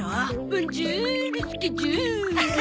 ボンジュルスケジュル！